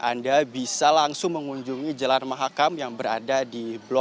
anda bisa langsung mengunjungi jalan mahakam yang berada di blok